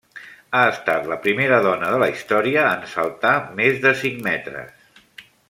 Ha estat la primera dona de la història en saltar més de cinc metres.